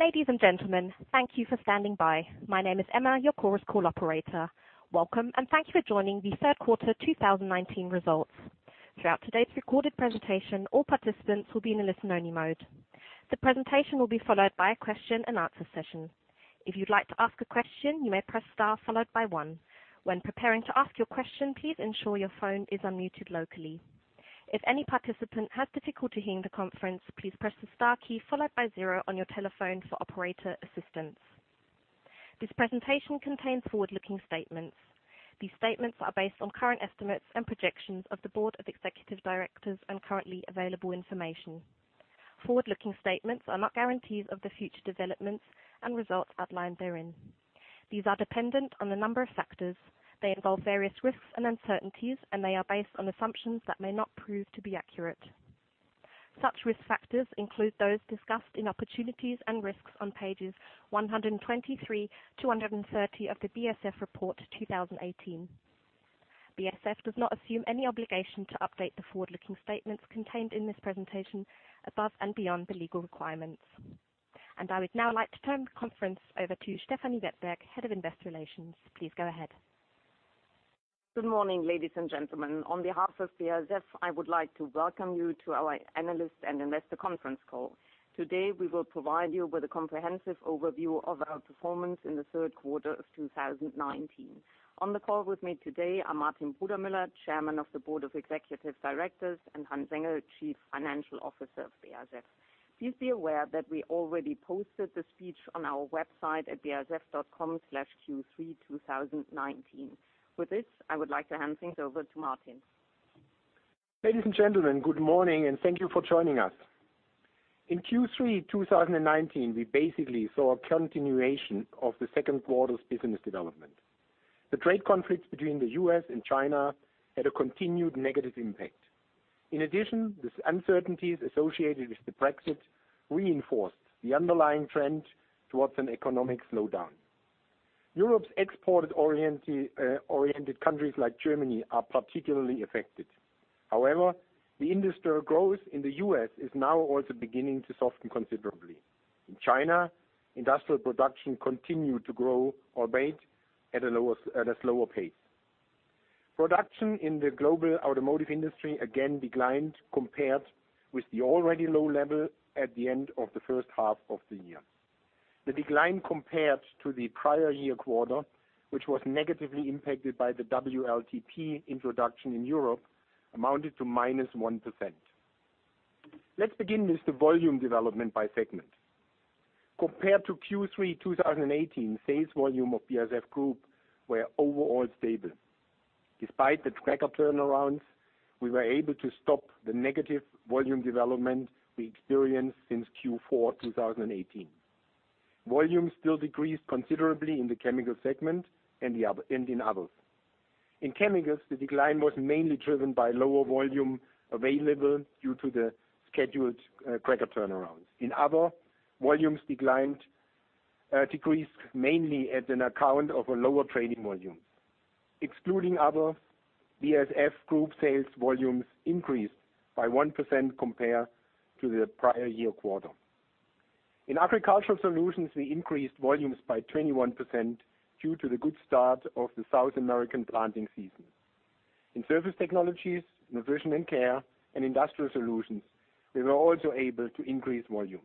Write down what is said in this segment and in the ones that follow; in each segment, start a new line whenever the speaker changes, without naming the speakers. Ladies and gentlemen, thank you for standing by. My name is Emma, your Chorus Call operator. Welcome, thank you for joining the third quarter 2019 results. Throughout today's recorded presentation, all participants will be in a listen-only mode. The presentation will be followed by a question and answer session. If you'd like to ask a question, you may press star followed by one. When preparing to ask your question, please ensure your phone is unmuted locally. If any participant has difficulty hearing the conference, please press the star key followed by 0 on your telephone for operator assistance. This presentation contains forward-looking statements. These statements are based on current estimates and projections of the board of executive directors and currently available information. Forward-looking statements are not guarantees of the future developments and results outlined therein. These are dependent on a number of factors. They involve various risks and uncertainties, and they are based on assumptions that may not prove to be accurate. Such risk factors include those discussed in opportunities and risks on pages 123 to 130 of the BASF Report 2018. BASF does not assume any obligation to update the forward-looking statements contained in this presentation above and beyond the legal requirements. I would now like to turn the conference over to Stefanie Wettberg, Head of Investor Relations. Please go ahead.
Good morning, ladies and gentlemen. On behalf of BASF, I would like to welcome you to our analyst and investor conference call. Today, we will provide you with a comprehensive overview of our performance in the third quarter of 2019. On the call with me today are Martin Brudermüller, Chairman of the Board of Executive Directors, and Hans-Ulrich Engel, Chief Financial Officer of BASF. Please be aware that we already posted the speech on our website at basf.com/q32019. With this, I would like to hand things over to Martin.
Ladies and gentlemen, good morning, and thank you for joining us. In Q3 2019, we basically saw a continuation of the second quarter's business development. The trade conflicts between the U.S. and China had a continued negative impact. In addition, these uncertainties associated with the Brexit reinforced the underlying trend towards an economic slowdown. Europe's exported-oriented countries like Germany are particularly affected. However, the industrial growth in the U.S. is now also beginning to soften considerably. In China, industrial production continued to grow or wait at a slower pace. Production in the global automotive industry again declined compared with the already low level at the end of the first half of the year. The decline compared to the prior year quarter, which was negatively impacted by the WLTP introduction in Europe, amounted to -1%. Let's begin with the volume development by segment. Compared to Q3 2018, sales volume of BASF Group were overall stable. Despite the cracker turnarounds, we were able to stop the negative volume development we experienced since Q4 2018. Volumes still decreased considerably in the chemical segment and in others. In chemicals, the decline was mainly driven by lower volume available due to the scheduled cracker turnarounds. In other, volumes decreased mainly as an account of a lower trading volume. Excluding other, BASF Group sales volumes increased by 1% compared to the prior year quarter. In agricultural solutions, we increased volumes by 21% due to the good start of the South American planting season. In surface technologies, nutrition and care, and industrial solutions, we were also able to increase volumes.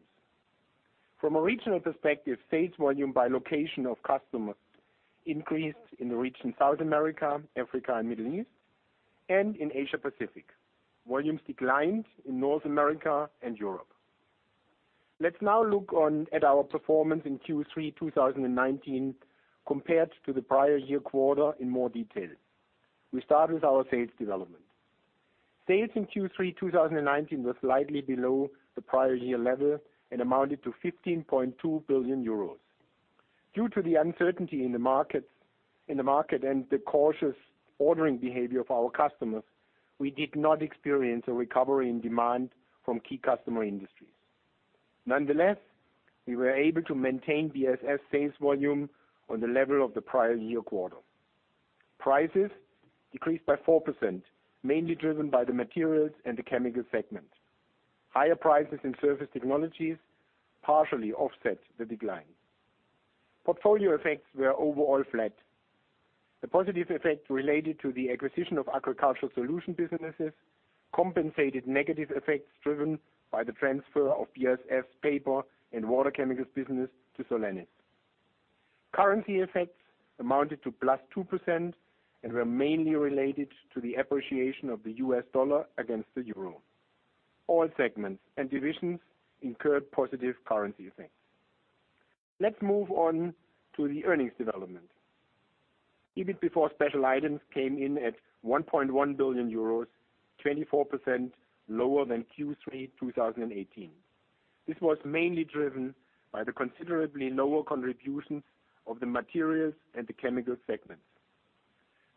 From a regional perspective, sales volume by location of customers increased in the region South America, Africa, and Middle East, and in Asia Pacific. Volumes declined in North America and Europe. Let's now look at our performance in Q3 2019 compared to the prior year quarter in more detail. We start with our sales development. Sales in Q3 2019 were slightly below the prior year level and amounted to 15.2 billion euros. Due to the uncertainty in the market and the cautious ordering behavior of our customers, we did not experience a recovery in demand from key customer industries. Nonetheless, we were able to maintain BASF sales volume on the level of the prior year quarter. Prices decreased by 4%, mainly driven by the materials and the chemical segment. Higher prices in surface technologies partially offset the decline. Portfolio effects were overall flat. The positive effect related to the acquisition of agricultural solution businesses compensated negative effects driven by the transfer of BASF's paper and water chemicals business to Solenis. Currency effects amounted to plus 2% and were mainly related to the appreciation of the US dollar against the euro. All segments and divisions incurred positive currency effects. Let's move on to the earnings development. EBIT before special items came in at 1.1 billion euros, 24% lower than Q3 2018. This was mainly driven by the considerably lower contributions of the materials and the chemical segments.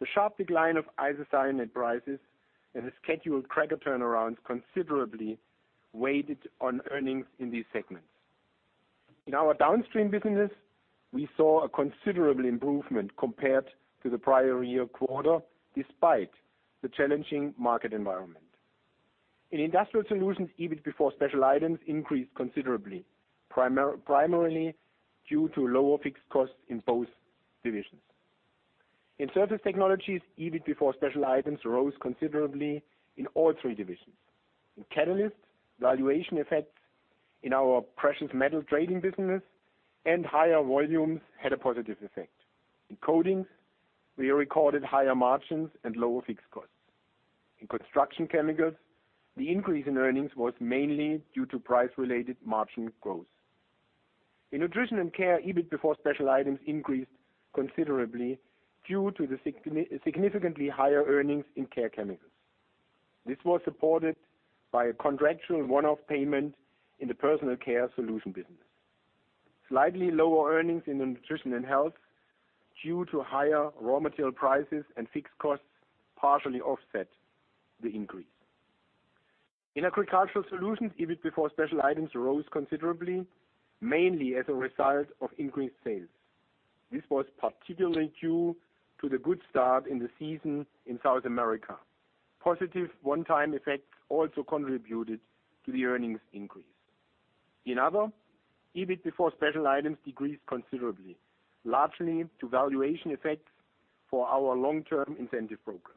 The sharp decline of isocyanate prices and the scheduled cracker turnarounds considerably weighted on earnings in these segments. In our downstream business, we saw a considerable improvement compared to the prior year quarter, despite the challenging market environment. In Industrial Solutions, EBIT before special items increased considerably, primarily due to lower fixed costs in both divisions. In Surface Technologies, EBIT before special items rose considerably in all three divisions. Catalyst valuation effects, in our precious metal trading business, and higher volumes had a positive effect. In Coatings, we recorded higher margins and lower fixed costs. In Construction Chemicals, the increase in earnings was mainly due to price-related margin growth. In Nutrition and Care, EBIT before special items increased considerably due to the significantly higher earnings in Care Chemicals. This was supported by a contractual one-off payment in the personal care solutions business. Slightly lower earnings in the Nutrition and Health due to higher raw material prices and fixed costs partially offset the increase. In Agricultural Solutions, EBIT before special items rose considerably, mainly as a result of increased sales. This was particularly due to the good start in the season in South America. Positive one-time effects also contributed to the earnings increase. In Other, EBIT before special items decreased considerably, largely to valuation effects for our long-term incentive program.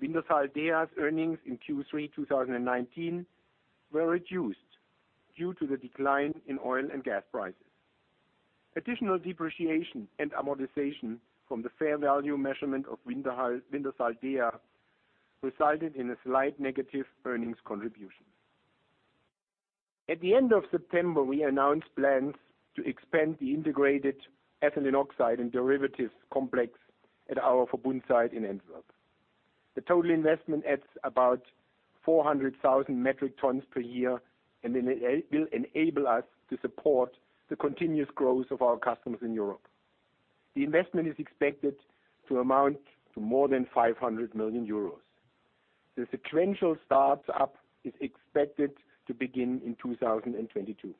Wintershall Dea's earnings in Q3 2019 were reduced due to the decline in oil and gas prices. Additional depreciation and amortization from the fair value measurement of Wintershall Dea resulted in a slight negative earnings contribution. At the end of September, we announced plans to expand the integrated ethylene oxide and derivatives complex at our Verbund site in Antwerp. The total investment adds about 400,000 metric tons per year, it will enable us to support the continuous growth of our customers in Europe. The investment is expected to amount to more than 500 million euros. The sequential start-up is expected to begin in 2022.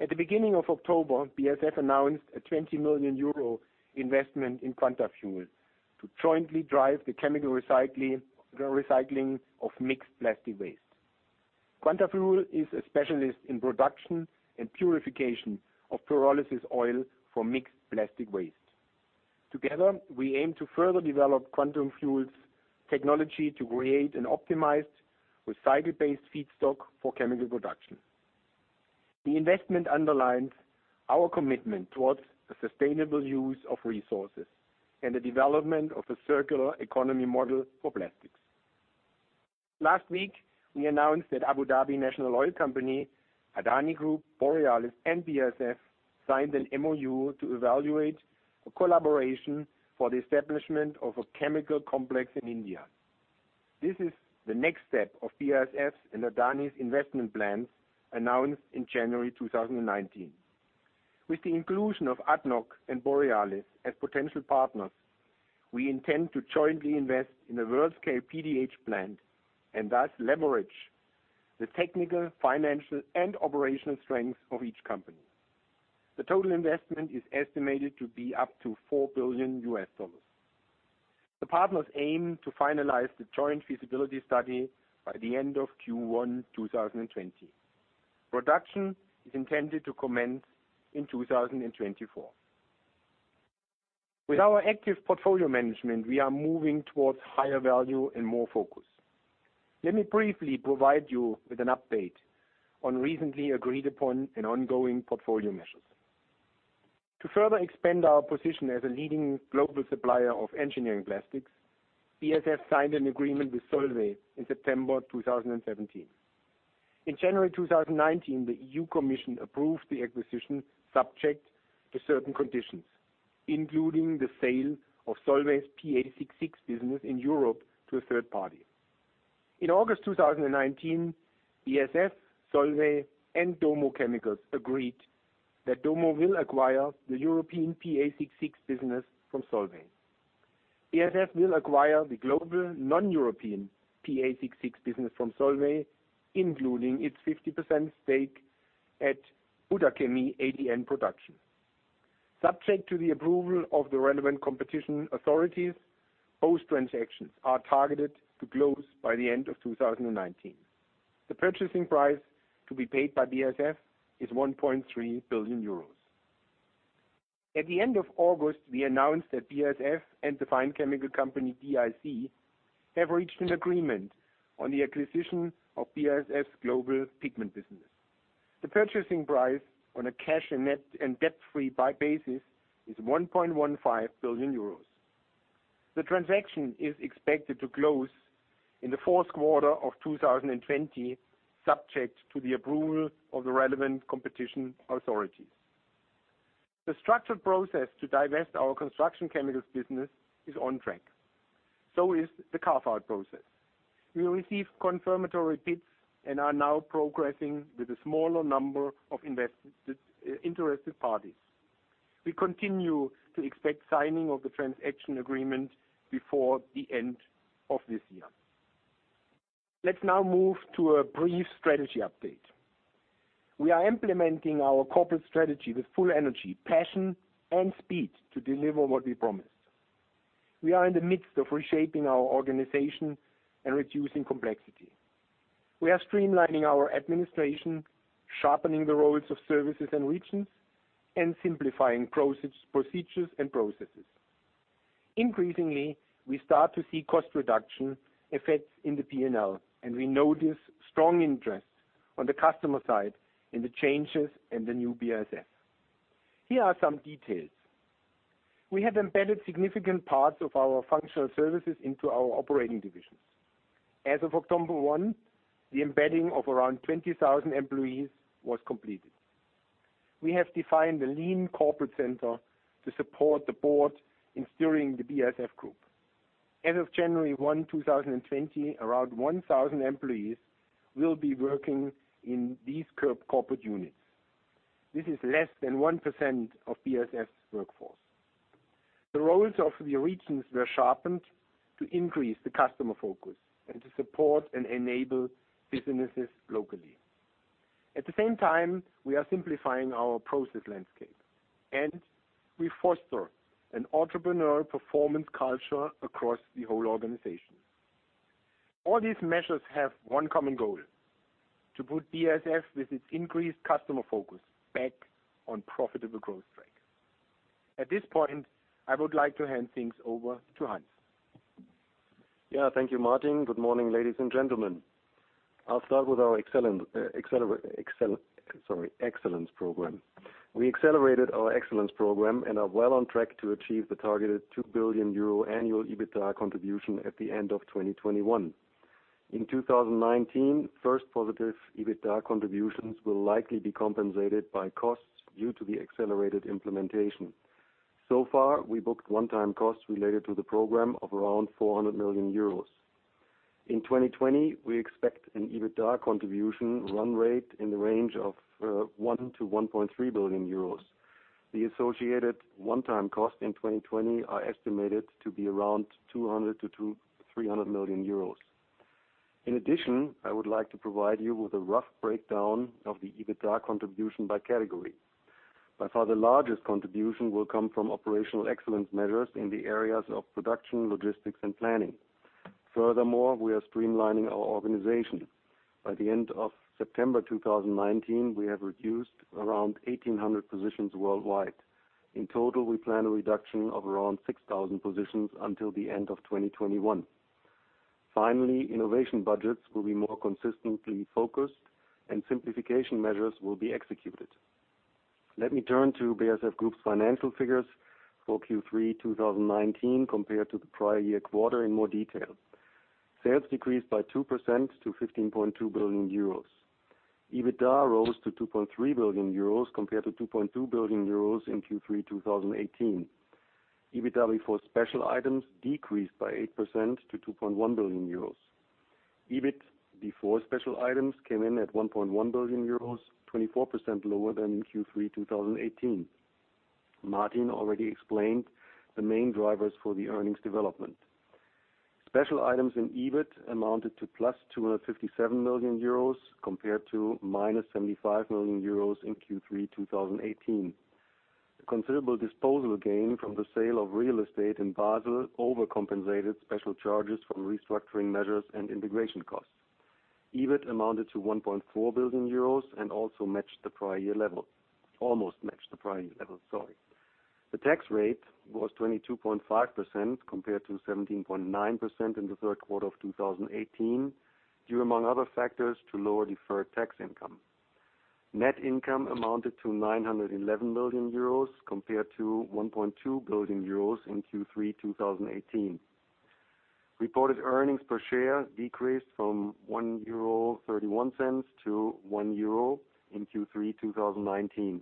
At the beginning of October, BASF announced a 20 million euro investment in Quantafuel to jointly drive the chemical recycling of mixed plastic waste. Quantafuel is a specialist in production and purification of pyrolysis oil for mixed plastic waste. Together, we aim to further develop Quantafuel's technology to create an optimized, recycled-based feedstock for chemical production. The investment underlines our commitment towards the sustainable use of resources and the development of a circular economy model for plastics. Last week, we announced that Abu Dhabi National Oil Company, Adani Group, Borealis, and BASF signed an MoU to evaluate a collaboration for the establishment of a chemical complex in India. This is the next step of BASF's and Adani's investment plans announced in January 2019. With the inclusion of ADNOC and Borealis as potential partners, we intend to jointly invest in a world-scale PDH plant and thus leverage the technical, financial, and operational strength of each company. The total investment is estimated to be up to $4 billion. The partners aim to finalize the joint feasibility study by the end of Q1 2020. Production is intended to commence in 2024. With our active portfolio management, we are moving towards higher value and more focus. Let me briefly provide you with an update on recently agreed upon and ongoing portfolio measures. To further expand our position as a leading global supplier of engineering plastics, BASF signed an agreement with Solvay in September 2017. In January 2019, the EU Commission approved the acquisition subject to certain conditions, including the sale of Solvay's PA 66 business in Europe to a third party. In August 2019, BASF, Solvay, and Domo Chemicals agreed that Domo will acquire the European PA 66 business from Solvay. BASF will acquire the global non-European PA 66 business from Solvay, including its 50% stake at Butachimie ADN Production. Subject to the approval of the relevant competition authorities, both transactions are targeted to close by the end of 2019. The purchasing price to be paid by BASF is 1.3 billion euros. At the end of August, we announced that BASF and the fine chemical company DIC, have reached an agreement on the acquisition of BASF's global pigment business. The purchasing price on a cash and debt-free basis is 1.15 billion euros. The transaction is expected to close in the fourth quarter of 2020, subject to the approval of the relevant competition authorities. The structured process to divest our construction chemicals business is on track. is the carve-out process. We received confirmatory bids and are now progressing with a smaller number of interested parties. We continue to expect signing of the transaction agreement before the end of this year. Let's now move to a brief strategy update. We are implementing our corporate strategy with full energy, passion, and speed to deliver what we promised. We are in the midst of reshaping our organization and reducing complexity. We are streamlining our administration, sharpening the roles of services and regions, and simplifying procedures and processes. Increasingly, we start to see cost reduction effects in the P&L, and we notice strong interest on the customer side in the changes in the new BASF. Here are some details. We have embedded significant parts of our functional services into our operating divisions. As of October 1st, the embedding of around 20,000 employees was completed. We have defined the lean corporate center to support the board in steering the BASF Group. As of January 1st, 2020, around 1,000 employees will be working in these corporate units. This is less than 1% of BASF's workforce. The roles of the regions were sharpened to increase the customer focus and to support and enable businesses locally. At the same time, we are simplifying our process landscape, and we foster an entrepreneurial performance culture across the whole organization. All these measures have one common goal: to put BASF, with its increased customer focus, back on profitable growth track. At this point, I would like to hand things over to Hans.
Thank you, Martin. Good morning, ladies and gentlemen. I'll start with our excellence program. We accelerated our excellence program and are well on track to achieve the targeted 2 billion euro annual EBITDA contribution at the end of 2021. In 2019, first positive EBITDA contributions will likely be compensated by costs due to the accelerated implementation. We booked one-time costs related to the program of around 400 million euros. In 2020, we expect an EBITDA contribution run rate in the range of one to 1.3 billion euros. The associated one-time cost in 2020 are estimated to be around 200 million-300 million euros. I would like to provide you with a rough breakdown of the EBITDA contribution by category. By far, the largest contribution will come from operational excellence measures in the areas of production, logistics, and planning. We are streamlining our organization. By the end of September 2019, we have reduced around 1,800 positions worldwide. In total, we plan a reduction of around 6,000 positions until the end of 2021. Finally, innovation budgets will be more consistently focused, and simplification measures will be executed. Let me turn to BASF Group's financial figures for Q3 2019 compared to the prior year quarter in more detail. Sales decreased by 2% to 15.2 billion euros. EBITDA rose to 2.3 billion euros compared to 2.2 billion euros in Q3 2018. EBIT before special items decreased by 8% to 2.1 billion euros. EBIT before special items came in at 1.1 billion euros, 24% lower than in Q3 2018. Martin already explained the main drivers for the earnings development. Special items in EBIT amounted to plus 257 million euros compared to minus 75 million euros in Q3 2018. The considerable disposal gain from the sale of real estate in Basel overcompensated special charges from restructuring measures and integration costs. EBIT amounted to 1.4 billion euros and also matched the prior year level. Almost matched the prior year level, sorry. The tax rate was 22.5% compared to 17.9% in the third quarter of 2018, due among other factors to lower deferred tax income. Net income amounted to 911 million euros compared to 1.2 billion euros in Q3 2018. Reported earnings per share decreased from 1.31 euro to 1 euro in Q3 2019.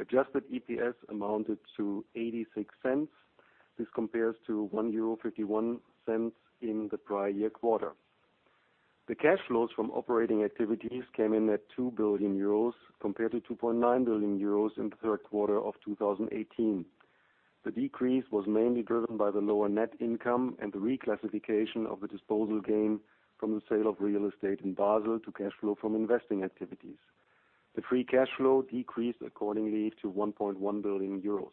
Adjusted EPS amounted to 0.86. This compares to 1.51 euro in the prior year quarter. The cash flows from operating activities came in at 2 billion euros compared to 2.9 billion euros in the third quarter of 2018. The decrease was mainly driven by the lower net income and the reclassification of the disposal gain from the sale of real estate in Basel to cash flow from investing activities. The free cash flow decreased accordingly to 1.1 billion euros.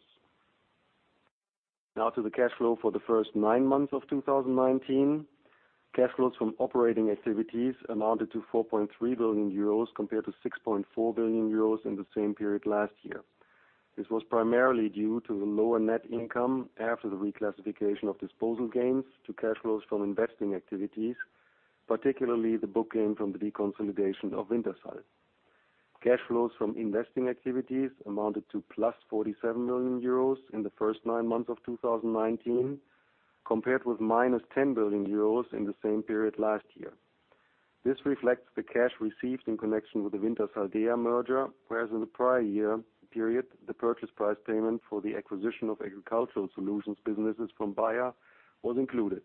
Now to the cash flow for the first nine months of 2019. Cash flows from operating activities amounted to 4.3 billion euros compared to 6.4 billion euros in the same period last year. This was primarily due to the lower net income after the reclassification of disposal gains to cash flows from investing activities, particularly the booking from the deconsolidation of Wintershall. Cash flows from investing activities amounted to plus 47 million euros in the first nine months of 2019, compared with minus 10 billion euros in the same period last year. This reflects the cash received in connection with the Wintershall Dea merger, whereas in the prior year period, the purchase price payment for the acquisition of agricultural solutions businesses from Bayer was included.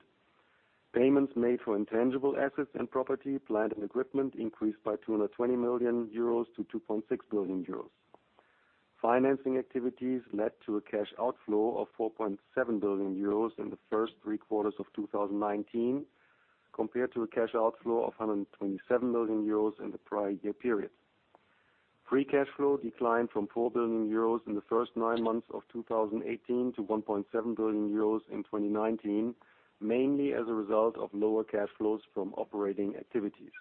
Payments made for intangible assets and property, plant, and equipment increased by 220 million euros to 2.6 billion euros. Financing activities led to a cash outflow of 4.7 billion euros in the first three quarters of 2019, compared to a cash outflow of 127 million euros in the prior year period. Free cash flow declined from 4 billion euros in the first nine months of 2018 to 1.7 billion euros in 2019, mainly as a result of lower cash flows from operating activities.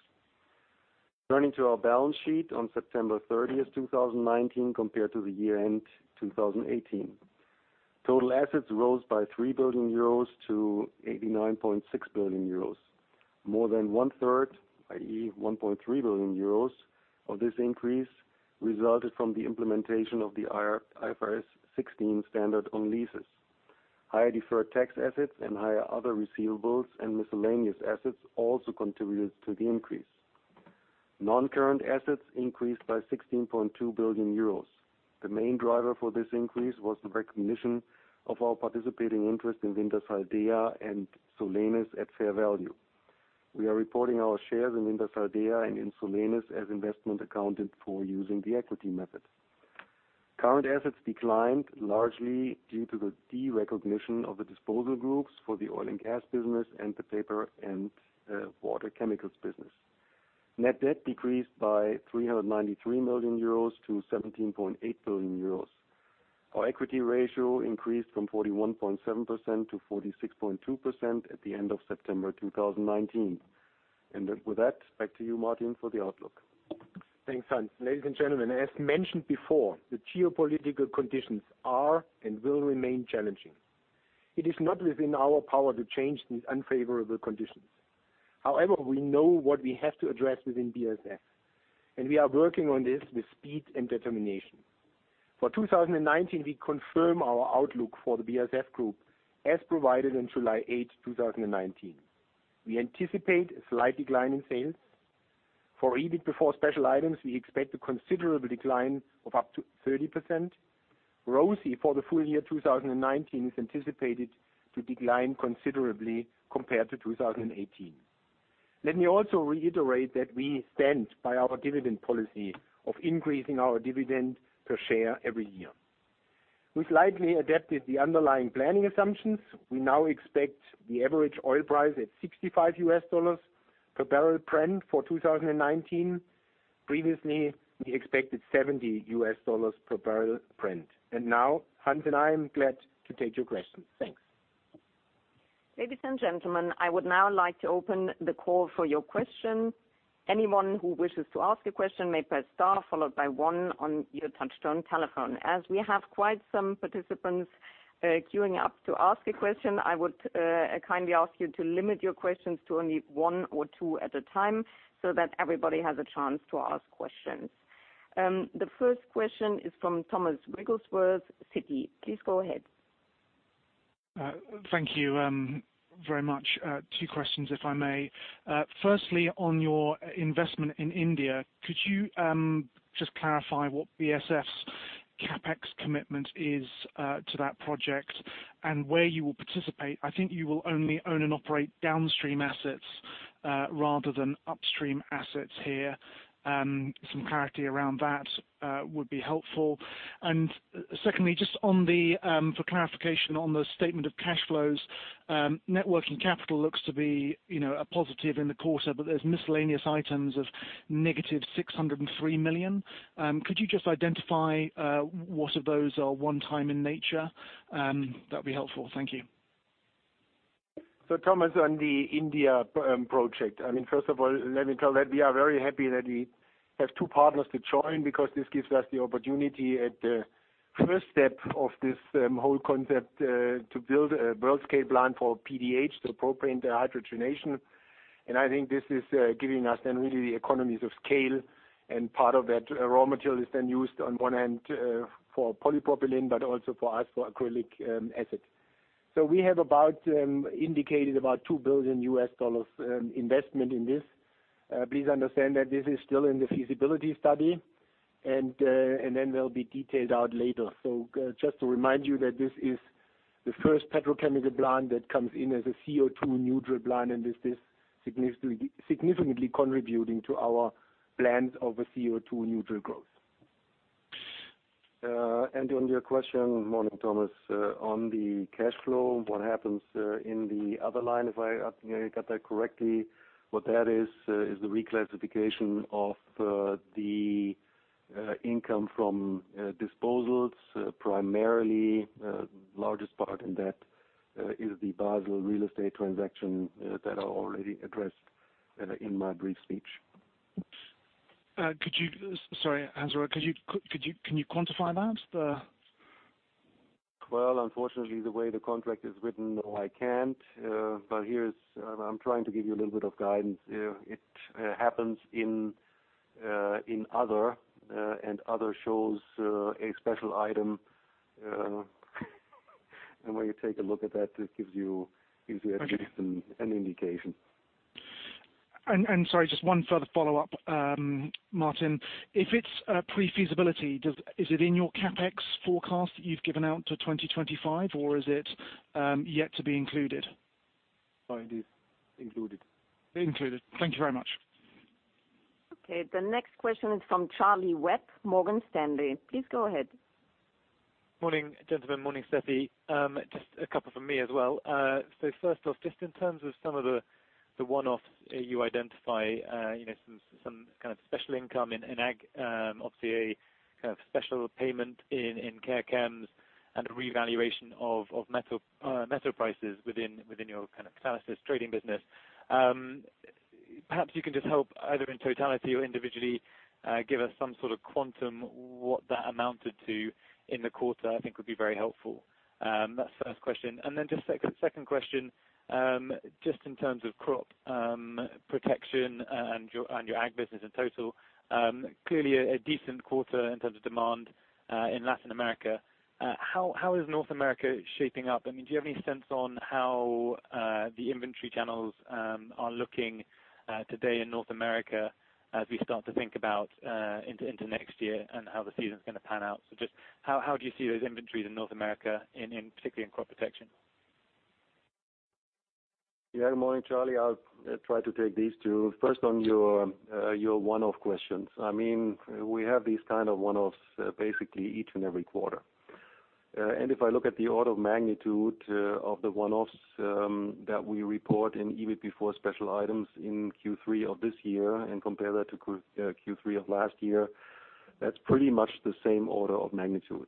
Turning to our balance sheet on September 30th, 2019, compared to the year-end 2018. Total assets rose by 3 billion euros to 89.6 billion euros. More than one third, i.e., 1.3 billion euros of this increase resulted from the implementation of the IFRS 16 standard on leases. Higher deferred tax assets and higher other receivables and miscellaneous assets also contributed to the increase. Non-current assets increased by 16.2 billion euros. The main driver for this increase was the recognition of our participating interest in Wintershall Dea and Solenis at fair value. We are reporting our shares in Wintershall Dea and in Solenis as investment accounted for using the equity method. Current assets declined largely due to the de-recognition of the disposal groups for the oil and gas business and the paper and water chemicals business. Net debt decreased by 393 million euros to 17.8 billion euros. Our equity ratio increased from 41.7% to 46.2% at the end of September 2019. With that, back to you, Martin, for the outlook.
Thanks, Hans. Ladies and gentlemen, as mentioned before, the geopolitical conditions are and will remain challenging. It is not within our power to change these unfavorable conditions. We know what we have to address within BASF, and we are working on this with speed and determination. For 2019, we confirm our outlook for the BASF Group as provided on July 8, 2019. We anticipate a slight decline in sales. For EBIT before special items, we expect a considerable decline of up to 30%. ROACE for the full year 2019 is anticipated to decline considerably compared to 2018. Let me also reiterate that we stand by our dividend policy of increasing our dividend per share every year. We slightly adapted the underlying planning assumptions. We now expect the average oil price at $65 per barrel Brent for 2019. Previously, we expected $70 per barrel Brent. Now, Hans and I am glad to take your questions. Thanks.
Ladies and gentlemen, I would now like to open the call for your questions. Anyone who wishes to ask a question may press star followed by one on your touch-tone telephone. As we have quite some participants queuing up to ask a question, I would kindly ask you to limit your questions to only one or two at a time so that everybody has a chance to ask questions. The first question is from Thomas Wrigglesworth, Citi. Please go ahead.
Thank you very much. Two questions, if I may. Firstly, on your investment in India, could you just clarify what BASF's CapEx commitment is to that project and where you will participate? I think you will only own and operate downstream assets rather than upstream assets here. Some clarity around that would be helpful. Secondly, just for clarification on the statement of cash flows, net working capital looks to be a positive in the quarter, but there's miscellaneous items of negative 603 million. Could you just identify what of those are one time in nature? That'd be helpful. Thank you.
Thomas, on the India project, first of all, let me tell that we are very happy that we have two partners to join because this gives us the opportunity at the first step of this whole concept to build a world-scale plant for PDH, so propane dehydrogenation. I think this is giving us then really the economies of scale, and part of that raw material is then used on one hand for polypropylene, but also for us for acrylic acid. We have indicated about $2 billion investment in this. Please understand that this is still in the feasibility study, and then will be detailed out later. Just to remind you that this is the first petrochemical plant that comes in as a CO2 neutral plant, and this is significantly contributing to our plans of a CO2 neutral growth.
On your question, morning, Thomas, on the cash flow, what happens in the other line, if I got that correctly, what that is the reclassification of the income from disposals. Primarily, largest part in that is the Basel real estate transaction that I already addressed in my brief speech.
Sorry, Hans, can you quantify that?
Well, unfortunately, the way the contract is written, no, I can't. I'm trying to give you a little bit of guidance. It happens in other shows a special item. When you take a look at that, this gives you at least an indication.
Sorry, just one further follow-up, Martin. If it's pre-feasibility, is it in your CapEx forecast that you've given out to 2025, or is it yet to be included?
It is included.
Included. Thank you very much.
Okay. The next question is from Charles Webb, Morgan Stanley. Please go ahead.
Morning, gentlemen. Morning, Stefanie. Just a couple from me as well. First off, just in terms of some of the one-offs you identify, some kind of special income in Ag, obviously a kind of special payment in Care Chems and revaluation of metal prices within your kind of Catalyst trading business. Perhaps you can just help, either in totality or individually, give us some sort of quantum, what that amounted to in the quarter, I think would be very helpful. That's the first question. Then just second question, just in terms of crop protection and your Ag business in total. Clearly a decent quarter in terms of demand in Latin America. How is North America shaping up? Do you have any sense on how the inventory channels are looking today in North America as we start to think about into next year and how the season's going to pan out? Just how do you see those inventories in North America, particularly in crop protection?
Morning, Charlie. I'll try to take these two. First on your one-off questions. We have these kind of one-offs basically each and every quarter. If I look at the order of magnitude of the one-offs that we report in EBIT before special items in Q3 of this year and compare that to Q3 of last year, that's pretty much the same order of magnitude.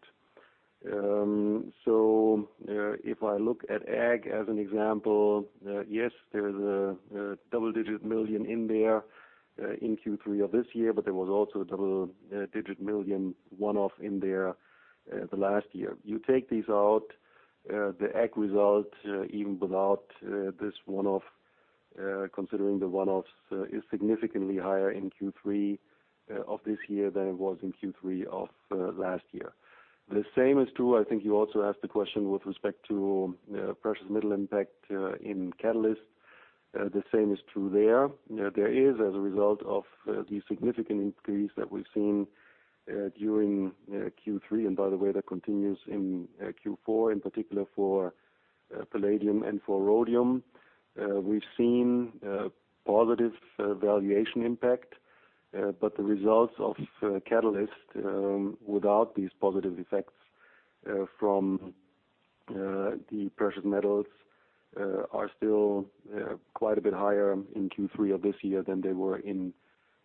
If I look at Ag as an example, yes, there is a double-digit million in there in Q3 of this year, but there was also a double-digit million one-off in there the last year. You take these out, the Ag result, even without this one-off considering the one-offs, is significantly higher in Q3 of this year than it was in Q3 of last year. The same is true, I think you also asked the question with respect to precious metal impact in Catalyst. The same is true there. There is, as a result of the significant increase that we've seen during Q3, and by the way, that continues in Q4, in particular for palladium and for rhodium. We've seen a positive valuation impact, but the results of Catalyst without these positive effects from the precious metals are still quite a bit higher in Q3 of this year than they were in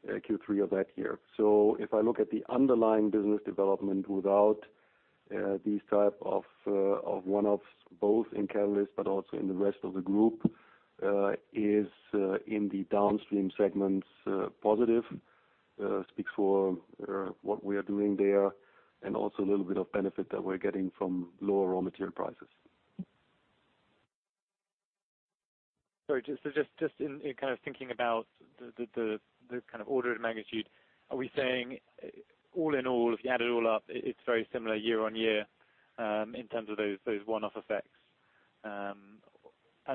Q3 of that year. If I look at the underlying business development without these type of one-offs, both in Catalyst but also in the rest of the group, is in the downstream segments positive, speaks for what we are doing there, and also a little bit of benefit that we're getting from lower raw material prices.
Sorry, just in kind of thinking about the kind of order of magnitude, are we saying all in all, if you add it all up, it's very similar year on year in terms of those one-off effects?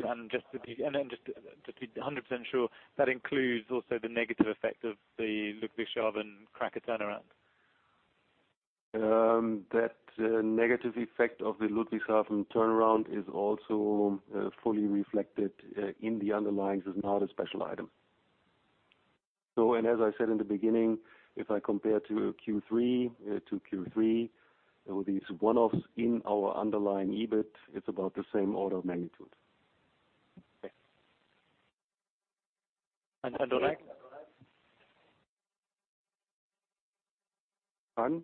Then just to be 100% sure, that includes also the negative effect of the Ludwigshafen cracker turnaround?
That negative effect of the Ludwigshafen turnaround is also fully reflected in the underlying. This is not a special item. As I said in the beginning, if I compare to Q3, there will be one-offs in our underlying EBIT. It's about the same order of magnitude.
Okay. On Ag?
Pardon?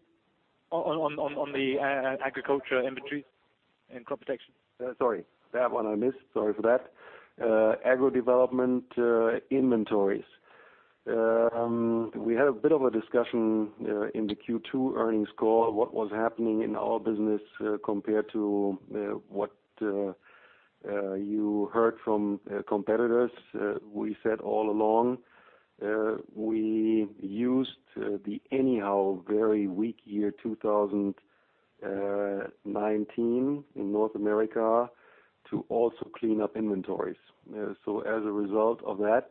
On the agriculture inventories and crop protection.
Sorry. That one I missed. Sorry for that. Agro development inventories. We had a bit of a discussion in the Q2 earnings call, what was happening in our business compared to what you heard from competitors. We said all along, we used the anyhow very weak year 2019 in North America to also clean up inventories. As a result of that,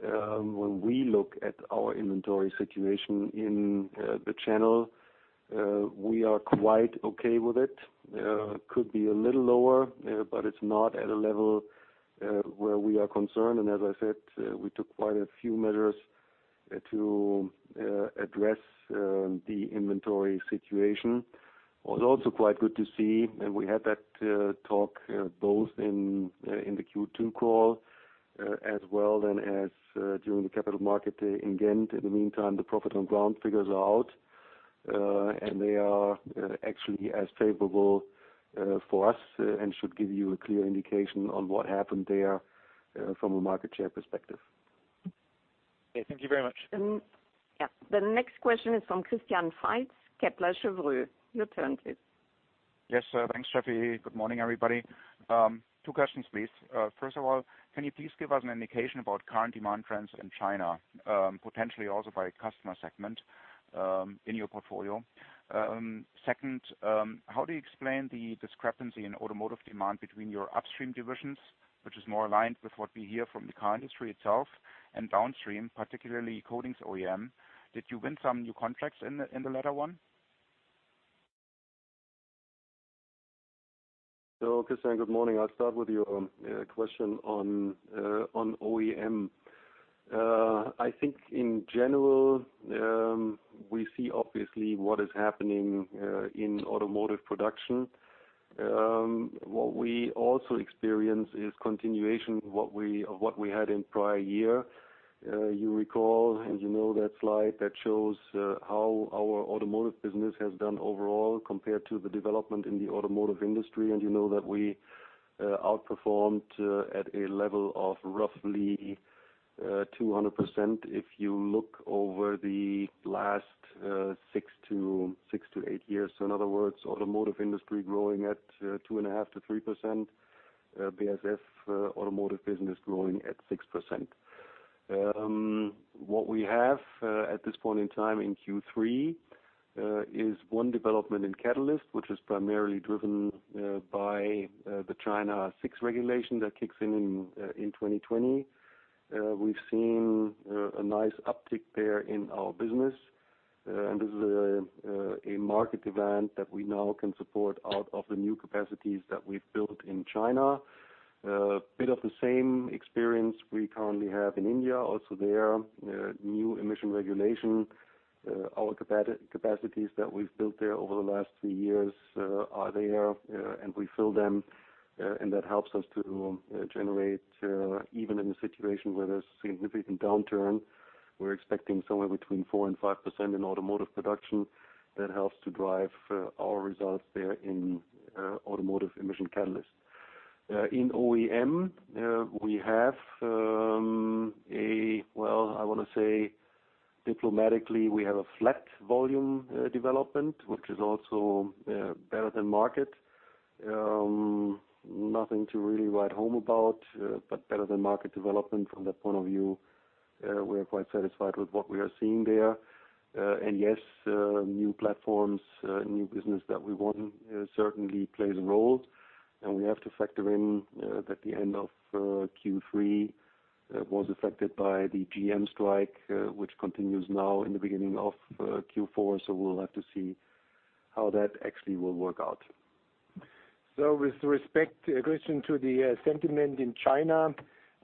when we look at our inventory situation in the channel, we are quite okay with it. Could be a little lower, but it's not at a level where we are concerned. As I said, we took quite a few measures to address the inventory situation. Was also quite good to see, and we had that talk both in the Q2 call as well then as during the capital market in Ghent. In the meantime, the profit on ground figures are out, and they are actually as favorable for us and should give you a clear indication on what happened there from a market share perspective.
Okay. Thank you very much.
Yeah. The next question is from Christian Faitz, Kepler Cheuvreux. Your turn, please.
Yes. Thanks, Steffi. Good morning, everybody. Two questions, please. First of all, can you please give us an indication about current demand trends in China, potentially also by customer segment in your portfolio? Second, how do you explain the discrepancy in automotive demand between your upstream divisions, which is more aligned with what we hear from the car industry itself, and downstream, particularly coatings OEM? Did you win some new contracts in the latter one?
Christian, good morning. I'll start with your question on OEM. I think in general, we see obviously what is happening in automotive production. What we also experience is continuation of what we had in prior year. You recall, and you know that slide that shows how our automotive business has done overall compared to the development in the automotive industry, and you know that we outperformed at a level of roughly 200% if you look over the last six to eight years. In other words, automotive industry growing at 2.5%-3%, BASF Automotive business growing at 6%. What we have at this point in time in Q3 is one development in catalyst, which is primarily driven by the China VI regulation that kicks in 2020. We've seen a nice uptick there in our business. This is a market event that we now can support out of the new capacities that we've built in China. A bit of the same experience we currently have in India. Also there, new emission regulation. Our capacities that we've built there over the last three years are there, and we fill them, and that helps us to generate even in a situation where there's significant downturn. We're expecting somewhere between 4% and 5% in automotive production. That helps to drive our results there in automotive emission catalyst. In OEM, we have a flat volume development, which is also better than market. Nothing to really write home about, but better than market development from that point of view. We are quite satisfied with what we are seeing there. Yes, new platforms, new business that we won certainly plays a role. We have to factor in that the end of Q3 was affected by the GM strike, which continues now in the beginning of Q4. We'll have to see how that actually will work out.
With respect, Christian, to the sentiment in China.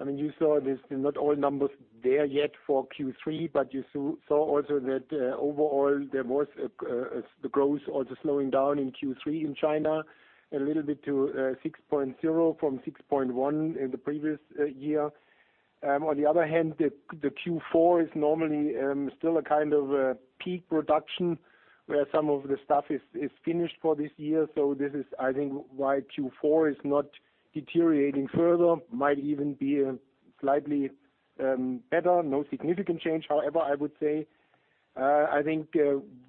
You saw there's not all numbers there yet for Q3, but you saw also that overall there was the growth also slowing down in Q3 in China a little bit to 6.0 from 6.1 in the previous year. On the other hand, the Q4 is normally still a kind of a peak production where some of the stuff is finished for this year. This is, I think, why Q4 is not deteriorating further. Might even be slightly better. No significant change, however, I would say. I think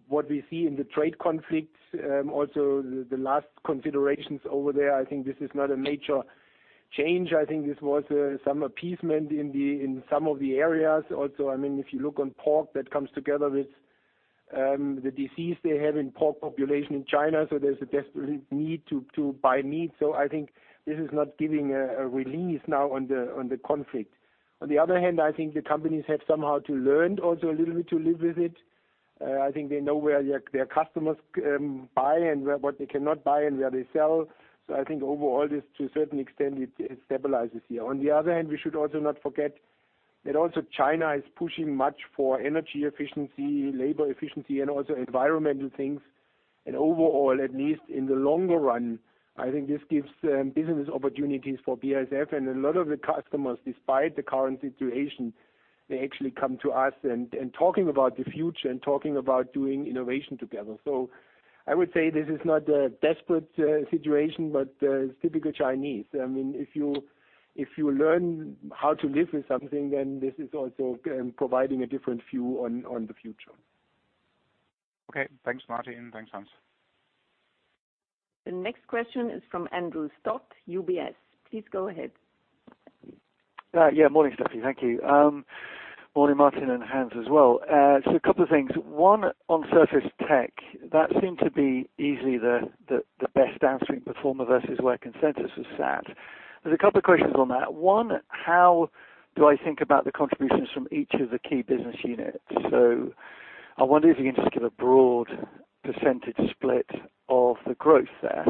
what we see in the trade conflicts, also the last considerations over there, I think this is not a major change. I think this was some appeasement in some of the areas. Also, if you look on pork, that comes together with the disease they have in pork population in China, so there's a desperate need to buy meat. On the other hand, I think the companies have somehow to learn also a little bit to live with it. I think they know where their customers buy and what they cannot buy and where they sell. I think overall this, to a certain extent, it stabilizes here. On the other hand, we should also not forget that also China is pushing much for energy efficiency, labor efficiency, and also environmental things. Overall, at least in the longer run, I think this gives business opportunities for BASF and a lot of the customers, despite the current situation, they actually come to us and talking about the future and talking about doing innovation together. I would say this is not a desperate situation, but it's typical Chinese. If you learn how to live with something, this is also providing a different view on the future.
Okay. Thanks, Martin. Thanks, Hans.
The next question is from Andrew Stott, UBS. Please go ahead.
Morning, Stefanie. Thank you. Morning, Martin and Hans as well. A couple of things. One, on Surface Tech, that seemed to be easily the best downstream performer versus where consensus was sat. There's a couple of questions on that. One, how do I think about the contributions from each of the key business units? I wonder if you can just give a broad percentage split of the growth there.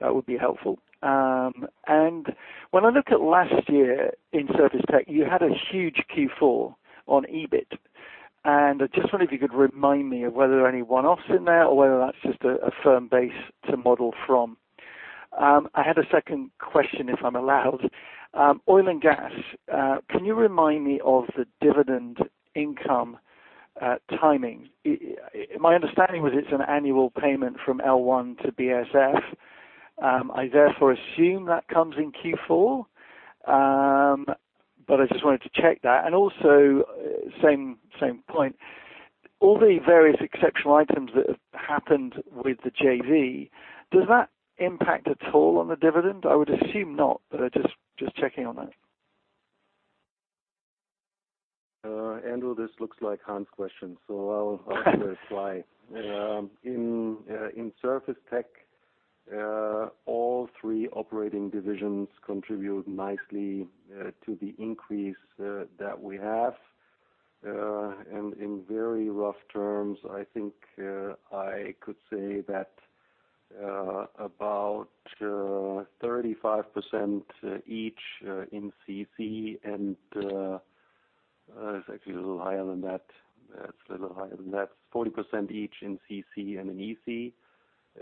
That would be helpful. When I look at last year in Surface Tech, you had a huge Q4 on EBIT. I just wonder if you could remind me of whether any one-offs in there or whether that's just a firm base to model from. I had a second question, if I'm allowed. Oil and gas. Can you remind me of the dividend income timing? My understanding was it's an annual payment from L1 to BASF. I therefore assume that comes in Q4. I just wanted to check that. Also, same point. All the various exceptional items that have happened with the JV, does that impact at all on the dividend? I would assume not, but just checking on that.
Andrew, this looks like Hans' question, so I'll let you reply. In Surface Tech, all three operating divisions contribute nicely to the increase that we have. In very rough terms, I think I could say that about 35% each in CC, and it's actually a little higher than that. It's a little higher than that, 40% each in CC and in EC.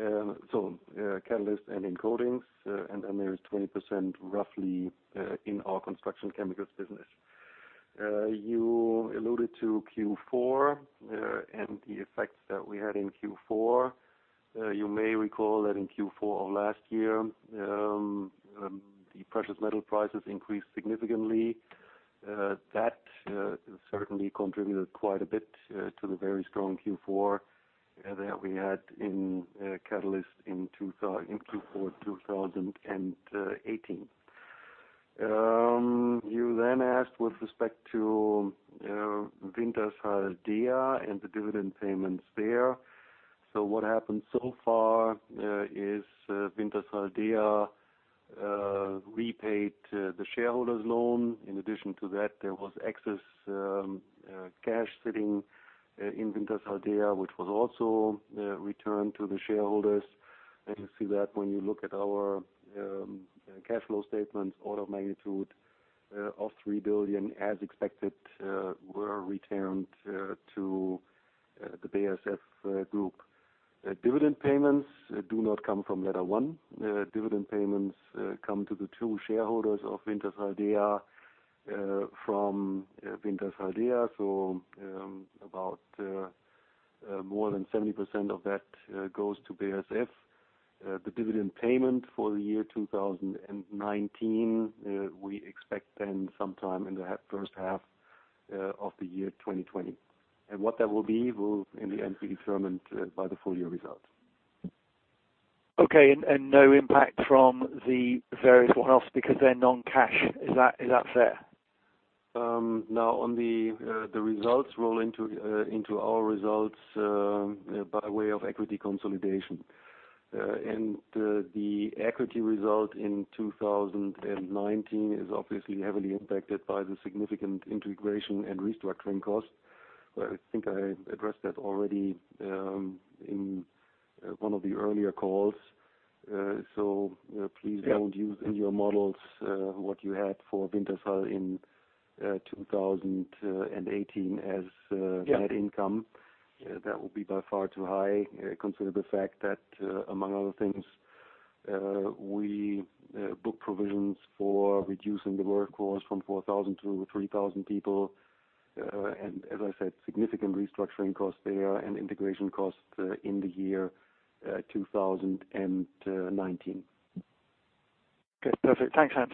Catalysts and in coatings, and then there is 20% roughly in our construction chemicals business. You alluded to Q4 and the effects that we had in Q4. You may recall that in Q4 of last year, the precious metal prices increased significantly. That certainly contributed quite a bit to the very strong Q4 that we had in catalyst in Q4 2018. You asked with respect to Wintershall DEA and the dividend payments there. What happened so far is Wintershall DEA repaid the shareholders' loan. In addition to that, there was excess cash sitting in Wintershall Dea, which was also returned to the shareholders. You see that when you look at our cash flow statement, order of magnitude of 3 billion, as expected, were returned to the BASF Group. Dividend payments do not come from LetterOne. Dividend payments come to the two shareholders of Wintershall Dea from Wintershall Dea. About more than 70% of that goes to BASF. The dividend payment for 2019, we expect then sometime in the first half of 2020. What that will be will in the end be determined by the full-year results.
Okay, no impact from the various one-offs because they're non-cash. Is that fair?
No. On the results roll into our results by way of equity consolidation. The equity result in 2019 is obviously heavily impacted by the significant integration and restructuring costs. I think I addressed that already in one of the earlier calls.
Yeah
in your models what you had for Wintershall in 2018 as net income.
Yeah.
That will be by far too high. Consider the fact that, among other things, we book provisions for reducing the workforce from 4,000 to 3,000 people. As I said, significant restructuring costs there and integration costs in the year 2019.
Okay, perfect. Thanks, Hans.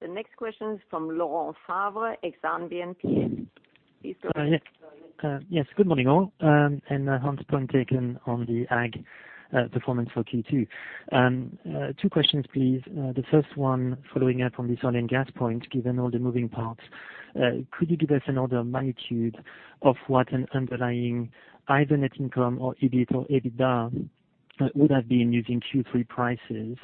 The next question is from Laurent Favre, Exane BNP. Please go ahead, Laurent.
Yes. Good morning, all. Hans, point taken on the ag performance for Q2. Two questions, please. The first one, following up on this oil and gas point, given all the moving parts, could you give us an order of magnitude of what an underlying either net income or EBIT or EBITDA would have been using Q3 prices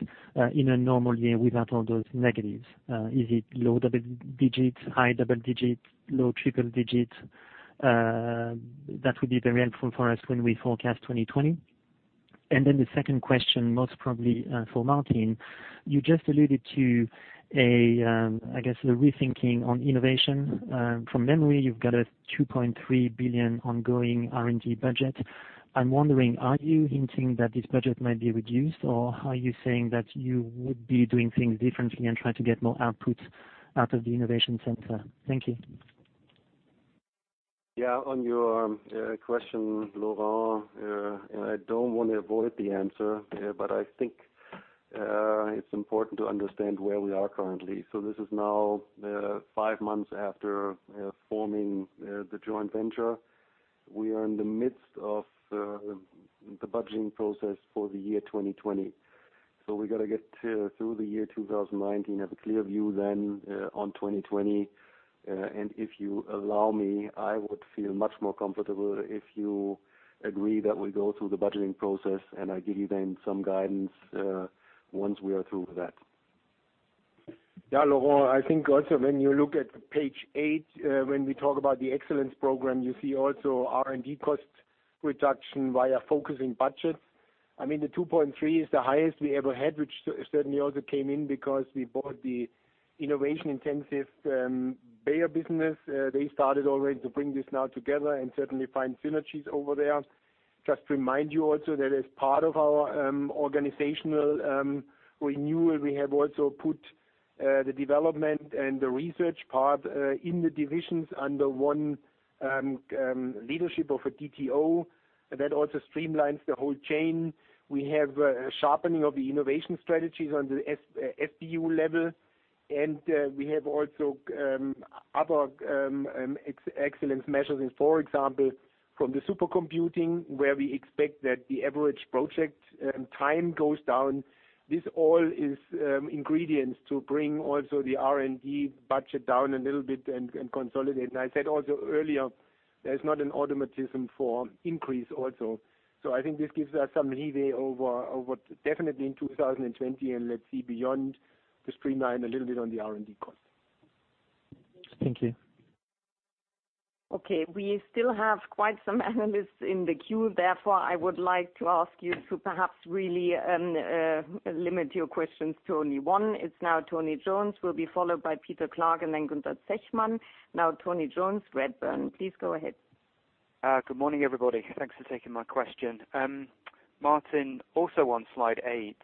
in a normal year without all those negatives? Is it low double digits, high double digits, low triple digits? That would be very helpful for us when we forecast 2020. The second question, most probably for Martin. You just alluded to, I guess, the rethinking on innovation. From memory, you've got a 2.3 billion ongoing R&D budget. I'm wondering, are you hinting that this budget might be reduced, or are you saying that you would be doing things differently and trying to get more output out of the innovation center? Thank you.
Yeah. On your question, Laurent, I don't want to avoid the answer. I think it's important to understand where we are currently. This is now five months after forming the joint venture. We are in the midst of the budgeting process for the year 2020. We got to get through the year 2019, have a clear view then on 2020. If you allow me, I would feel much more comfortable if you agree that we go through the budgeting process, and I give you then some guidance once we are through that.
Yeah, Laurent, I think also when you look at page eight, when we talk about the excellence program, you see also R&D cost reduction via focusing budget. I mean, the 2.3 is the highest we ever had, which certainly also came in because we bought the innovation-intensive Bayer business. They started already to bring this now together and certainly find synergies over there. Just remind you also that as part of our organizational renewal, we have also put the development and the research part in the divisions under one leadership of a CTO. That also streamlines the whole chain. We have a sharpening of the innovation strategies on the SBU level, and we have also other excellence measures in, for example, from the supercomputing, where we expect that the average project time goes down. This all is ingredients to bring also the R&D budget down a little bit and consolidate. I said also earlier.
There's not an automatism for increase also. I think this gives us some leeway over, definitely in 2020, and let's see beyond this streamline a little bit on the R&D cost.
Thank you.
Okay, we still have quite some analysts in the queue. I would like to ask you to perhaps really limit your questions to only one. It's now Tony Jones, will be followed by Peter Clark, and then Gunther Zechmann. Tony Jones, Redburn, please go ahead.
Good morning, everybody. Thanks for taking my question. Martin, also on slide eight,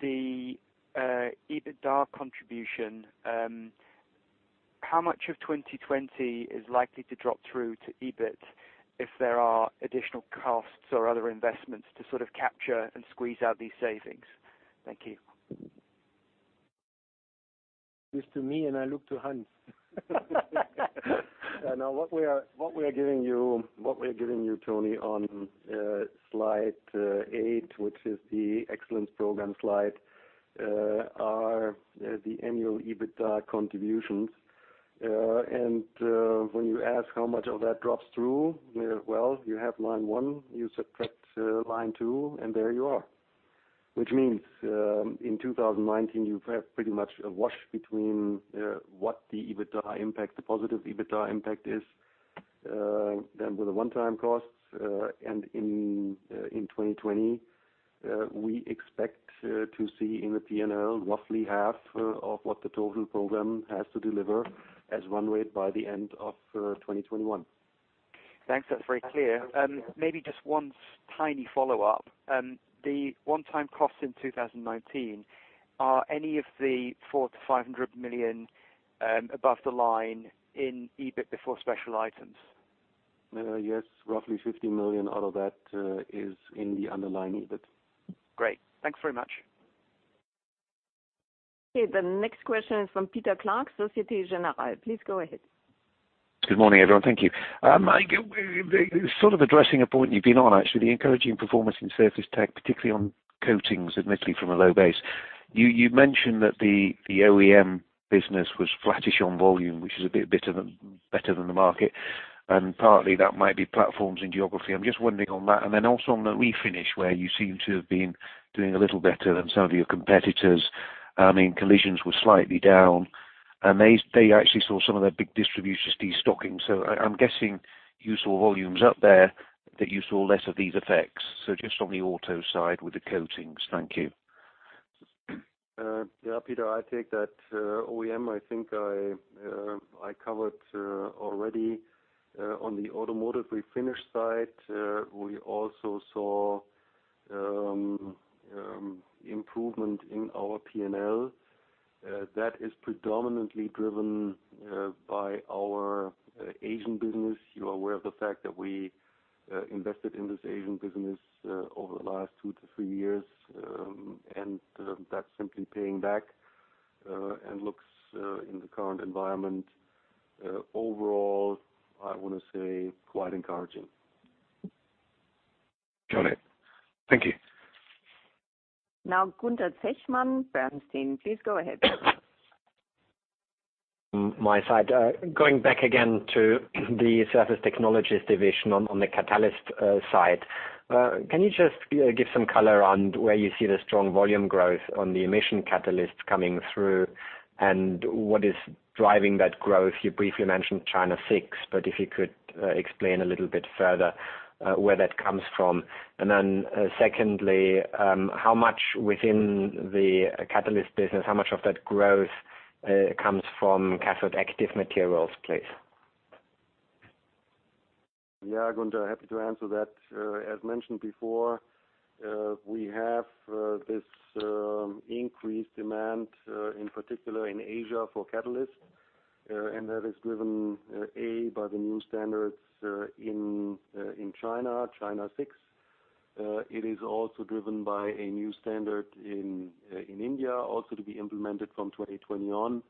the EBITDA contribution, how much of 2020 is likely to drop through to EBIT if there are additional costs or other investments to sort of capture and squeeze out these savings? Thank you.
This to me and I look to Hans. What we are giving you Tony on slide eight, which is the Excellence Program slide, are the annual EBITDA contributions. When you ask how much of that drops through, well, you have line one, you subtract line two, and there you are. Which means, in 2019, you have pretty much a wash between what the positive EBITDA impact is, then with the one-time costs. In 2020, we expect to see in the P&L roughly half of what the total program has to deliver as run rate by the end of 2021.
Thanks. That's very clear. Maybe just one tiny follow-up. The one-time cost in 2019, are any of the 4 million-500 million above the line in EBIT before special items?
Yes. Roughly 50 million out of that is in the underlying EBIT.
Great. Thanks very much.
Okay. The next question is from Peter Clark, Societe Generale. Please go ahead.
Good morning, everyone. Thank you. Sort of addressing a point you've been on actually, the encouraging performance in Surface Tech, particularly on coatings, admittedly from a low base. You mentioned that the OEM business was flattish on volume, which is a bit better than the market, and partly that might be platforms and geography. I'm just wondering on that. Also on the refinish, where you seem to have been doing a little better than some of your competitors. I mean, collisions were slightly down. They actually saw some of their big distributors de-stocking. I'm guessing you saw volumes up there, that you saw less of these effects. Just on the auto side with the coatings. Thank you.
Yeah, Peter, I take that. OEM, I think I covered already. On the automotive refinish side, we also saw improvement in our P&L. That is predominantly driven by our Asian business. You're aware of the fact that we invested in this Asian business over the last two to three years, and that's simply paying back and looks, in the current environment, overall, I want to say quite encouraging.
Got it. Thank you.
Now, Gunther Zechmann, Bernstein. Please go ahead.
My side. Going back again to the Surface Technologies division on the catalyst side. Can you just give some color on where you see the strong volume growth on the emission catalysts coming through? What is driving that growth? You briefly mentioned China VI, if you could explain a little bit further where that comes from. Secondly, how much within the catalyst business, how much of that growth comes from cathode active materials, please?
Yeah, Gunther, happy to answer that. As mentioned before, we have this increased demand, in particular in Asia, for catalysts. That is driven, A, by the new standards in China VI. It is also driven by a new standard in India, also to be implemented from 2020 on.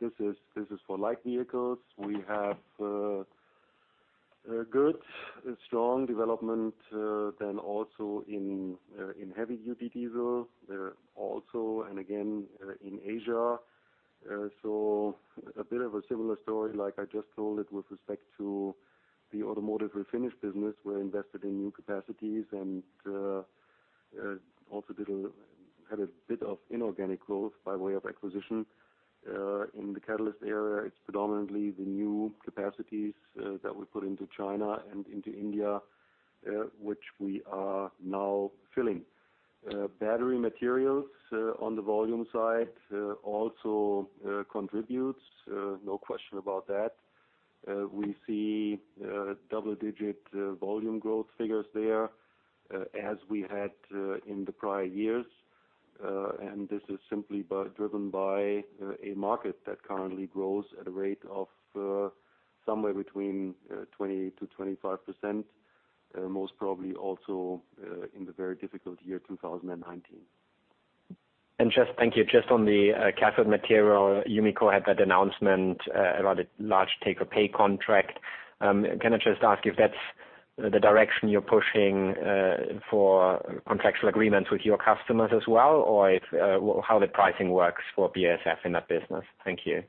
This is for light vehicles. We have a good, strong development then also in heavy duty diesel there also, and again in Asia. A bit of a similar story like I just told it with respect to the automotive refinish business. We're invested in new capacities and also had a bit of inorganic growth by way of acquisition. In the catalyst area, it's predominantly the new capacities that we put into China and into India, which we are now filling. Battery materials on the volume side also contributes, no question about that. We see double-digit volume growth figures there as we had in the prior years. This is simply driven by a market that currently grows at a rate of somewhere between 20%-25%, most probably also in the very difficult year 2019.
Thank you. Just on the cathode material, Umicore had that announcement about a large take-or-pay contract. Can I just ask if that's the direction you're pushing for contractual agreements with your customers as well, or how the pricing works for BASF in that business? Thank you.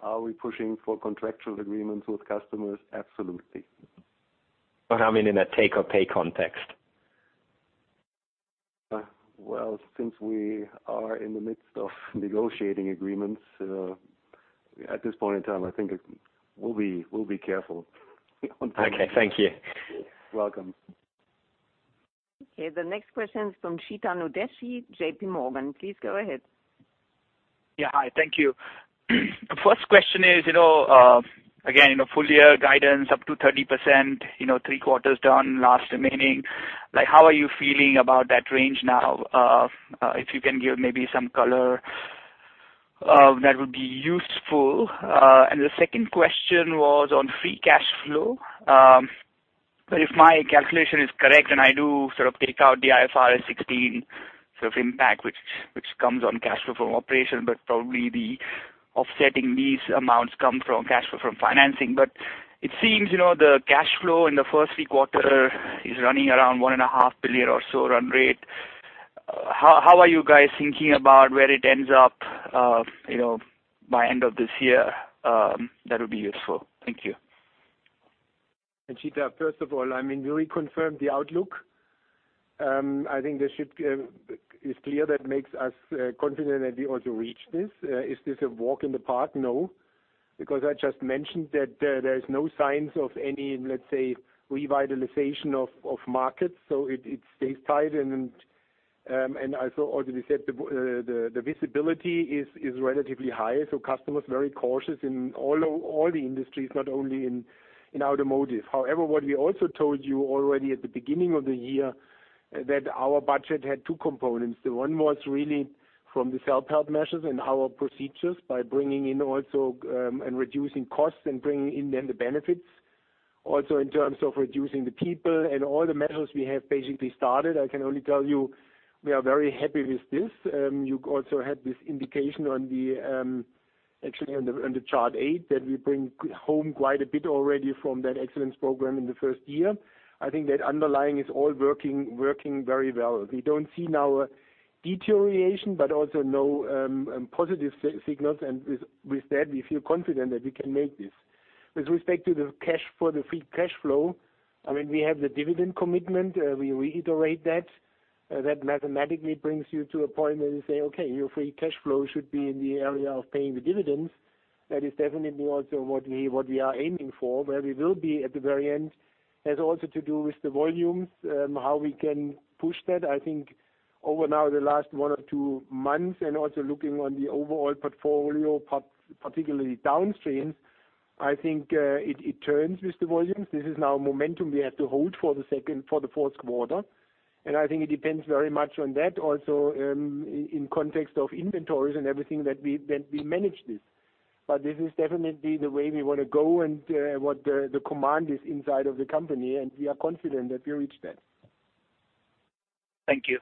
Are we pushing for contractual agreements with customers? Absolutely.
I mean, in a take-or-pay context.
Well, since we are in the midst of negotiating agreements, at this point in time, I think we'll be careful.
Okay. Thank you.
Welcome.
Okay. The next question is from Chetan Udeshi, JPMorgan. Please go ahead.
Yeah. Hi, thank you. First question is, again, full-year guidance up to 30%, three quarters down, last remaining. How are you feeling about that range now? If you can give maybe some color, that would be useful. The second question was on free cash flow. If my calculation is correct and I do sort of take out the IFRS 16 impact, which comes on cash flow from operations, but probably the offsetting these amounts come from cash flow from financing. It seems the cash flow in the first three quarters is running around $1.5 billion or so run rate. How are you guys thinking about where it ends up by end of this year? That would be useful. Thank you.
Chetan, first of all, we reconfirmed the outlook. I think it's clear that makes us confident that we ought to reach this. Is this a walk in the park? No, because I just mentioned that there is no signs of any, let's say, revitalization of markets, so it stays tight, and I thought already said the visibility is relatively high, so customers very cautious in all the industries, not only in automotive. What we also told you already at the beginning of the year that our budget had two components. The one was really from the self-help measures and our procedures by bringing in also and reducing costs and bringing in then the benefits. Also, in terms of reducing the people and all the measures we have basically started. I can only tell you we are very happy with this. You also had this indication actually on the chart eight that we bring home quite a bit already from that Excellence Program in the first year. I think that underlying is all working very well. We don't see now a deterioration, but also no positive signals. With that, we feel confident that we can make this. With respect to the cash for the free cash flow, we have the dividend commitment, we reiterate that. That mathematically brings you to a point where you say, okay, your free cash flow should be in the area of paying the dividends. That is definitely also what we are aiming for. Where we will be at the very end has also to do with the volumes, how we can push that. I think over now the last one or two months and also looking on the overall portfolio, particularly downstream, I think it turns with the volumes. This is now momentum we have to hold for the fourth quarter. I think it depends very much on that also in context of inventories and everything that we manage this. This is definitely the way we want to go and what the command is inside of the company, and we are confident that we reach that.
Thank you.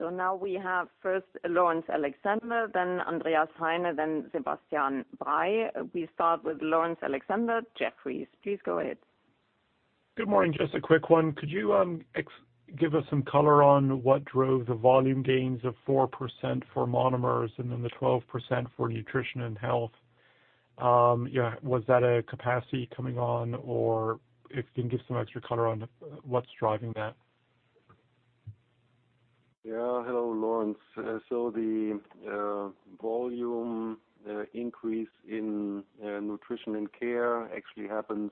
Now we have first Laurence Alexander, then Andreas Heine, then Sebastian Bray. We start with Laurence Alexander, Jefferies. Please go ahead.
Good morning. Just a quick one. Could you give us some color on what drove the volume gains of 4% for monomers and then the 12% for nutrition and health? Was that a capacity coming on, or if you can give some extra color on what's driving that?
Hello, Laurence. The volume increase in nutrition and care actually happens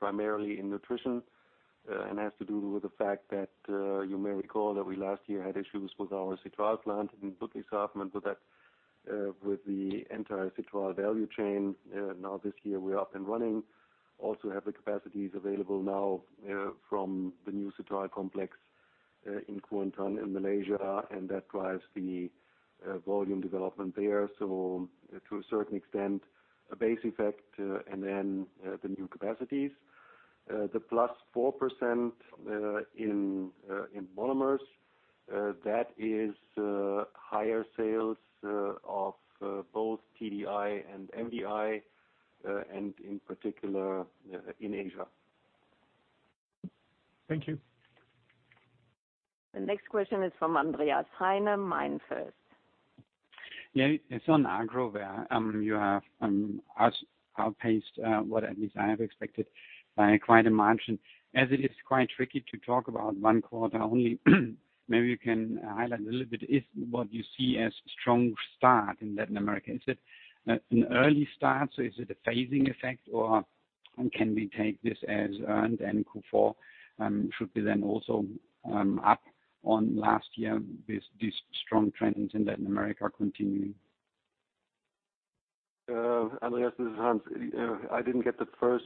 primarily in nutrition and has to do with the fact that you may recall that we last year had issues with our citral plant in Ludwigshafen, so that with the entire citral value chain. This year we're up and running, also have the capacities available now from the new citral complex in Kuantan in Malaysia, and that drives the volume development there. To a certain extent, a base effect and the new capacities. The +4% in monomers, that is higher sales of both TDI and MDI, and in particular in Asia.
Thank you.
The next question is from Andreas Heine, MainFirst.
Yeah. On Agro, where you have outpaced what at least I have expected by quite a margin. As it is quite tricky to talk about one quarter only maybe you can highlight a little bit is what you see as strong start in Latin America. Is it an early start, so is it a phasing effect or can we take this as earned and Q4 should be then also up on last year with these strong trends in Latin America continuing?
Andreas, this is Hans. I didn't get the first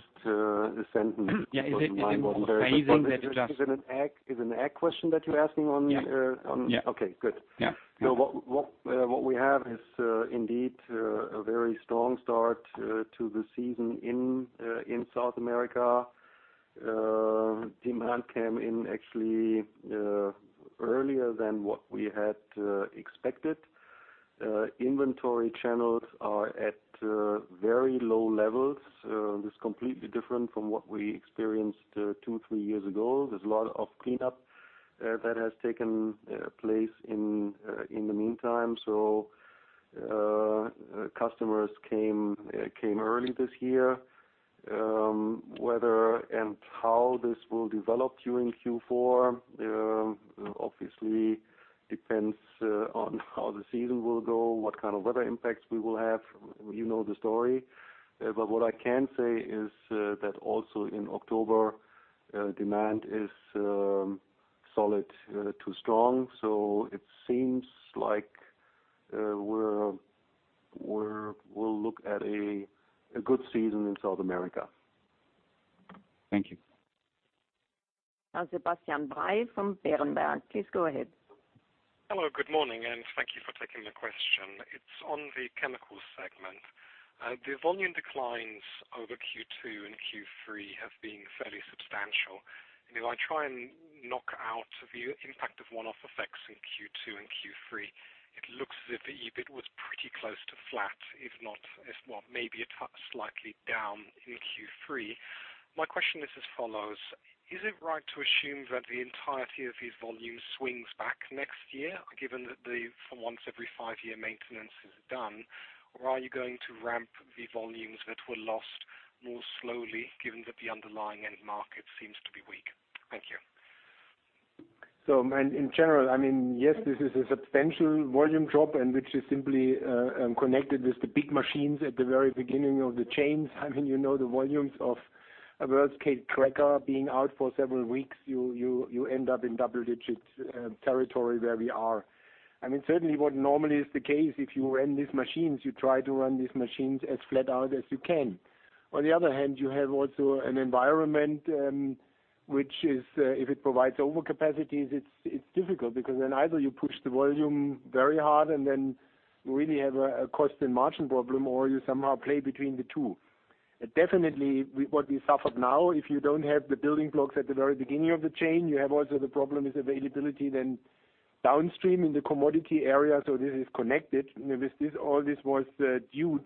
sentence.
Yeah. Is it phasing that?
Is an ag question that you're asking on-.
Yeah.
Okay, good. Yeah. What we have is indeed a very strong start to the season in South America. Demand came in actually earlier than what we had expected. Inventory channels are at very low levels. This is completely different from what we experienced two, three years ago. There's a lot of cleanup that has taken place in the meantime. Customers came early this year. Whether and how this will develop during Q4, obviously depends on how the season will go, what kind of weather impacts we will have. You know the story. What I can say is that also in October, demand is solid to strong. It seems like we'll look at a good season in South America.
Thank you.
Now Sebastian Bray from Berenberg. Please go ahead.
Hello, good morning, and thank you for taking the question. It's on the chemicals segment. The volume declines over Q2 and Q3 have been fairly substantial. If I try and knock out the impact of one-off effects in Q2 and Q3, it looks as if the EBIT was pretty close to flat, if not, maybe a touch slightly down in Q3. My question is as follows: Is it right to assume that the entirety of these volumes swings back next year, given that the for once every five year maintenance is done? Are you going to ramp the volumes that were lost more slowly, given that the underlying end market seems to be weak? Thank you.
In general, yes, this is a substantial volume drop, and which is simply connected with the big machines at the very beginning of the chains. You know the volumes of a world-scale cracker being out for several weeks, you end up in double-digit territory where we are. Certainly what normally is the case, if you run these machines, you try to run these machines as flat out as you can. On the other hand, you have also an environment, which is, if it provides overcapacities, it's difficult because then either you push the volume very hard and then you really have a cost and margin problem, or you somehow play between the two. Definitely, what we suffered now, if you don't have the building blocks at the very beginning of the chain, you have also the problem with availability then downstream in the commodity area. This is connected. All this was due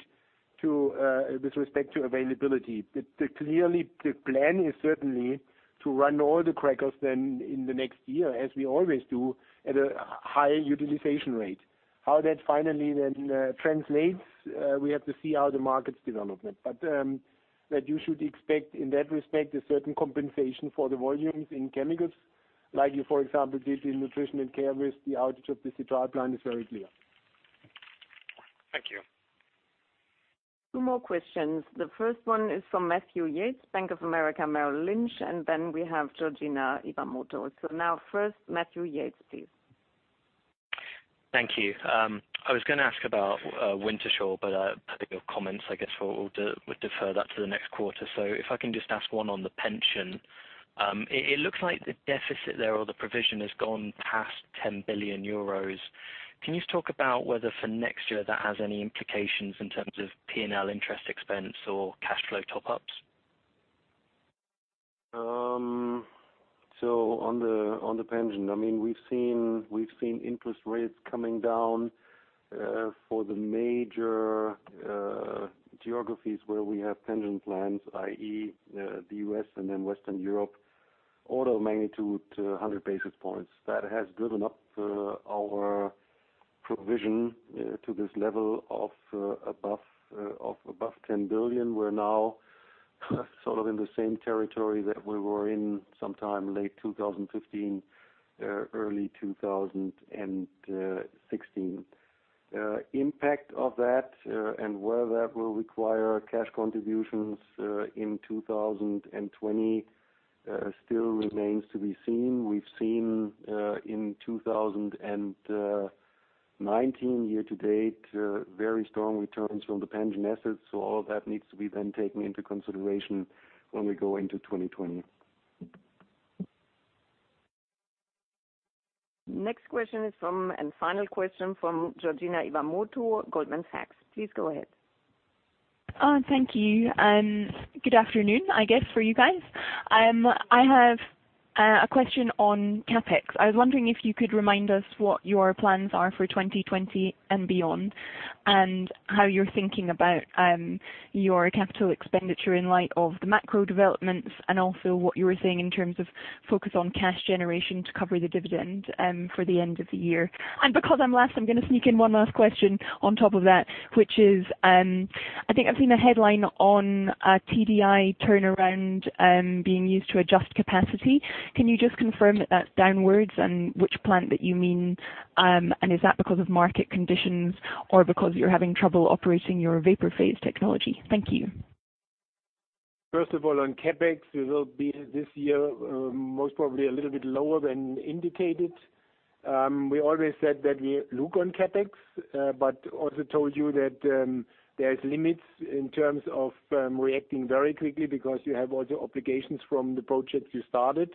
to, with respect to availability. Clearly, the plan is certainly to run all the crackers then in the next year, as we always do, at a high utilization rate. How that finally then translates, we have to see how the markets development. That you should expect in that respect, a certain compensation for the volumes in chemicals, like you, for example, did in Nutrition and Care with the outage of the Citral plant is very clear.
Thank you.
Two more questions. The first one is from Matthew Yates, Bank of America Merrill Lynch. Then we have Georgina Fraser. Now first, Matthew Yates, please.
Thank you. I was going to ask about Wintershall, per your comments, I guess we'll defer that to the next quarter. If I can just ask one on the pension. It looks like the deficit there or the provision has gone past 10 billion euros. Can you talk about whether for next year that has any implications in terms of P&L interest expense or cash flow top-ups?
On the pension. We've seen interest rates coming down for the major geographies where we have pension plans, i.e., the U.S. and then Western Europe, order of magnitude 100 basis points. That has driven up our provision to this level of above 10 billion. We're now sort of in the same territory that we were in sometime late 2015, early 2016. Impact of that and whether that will require cash contributions in 2020 still remains to be seen. We've seen in 2019 year-to-date, very strong returns from the pension assets. All that needs to be then taken into consideration when we go into 2020.
Next question is from, and final question from Georgina Iwamoto, Goldman Sachs. Please go ahead.
Thank you. Good afternoon, I guess, for you guys. I have a question on CapEx. I was wondering if you could remind us what your plans are for 2020 and beyond, and how you're thinking about your capital expenditure in light of the macro developments and also what you were saying in terms of focus on cash generation to cover the dividend for the end of the year. Because I'm last, I'm going to sneak in one last question on top of that, which is, I think I've seen a headline on a TDI turnaround being used to adjust capacity. Can you just confirm that that's downwards and which plant that you mean? Is that because of market conditions or because you're having trouble operating your vapor phase technology? Thank you.
First of all, on CapEx, we will be this year, most probably a little bit lower than indicated. Also told you that there's limits in terms of reacting very quickly because you have also obligations from the projects you started.